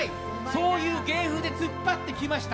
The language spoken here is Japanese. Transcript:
そういう芸風で突っ張ってきました。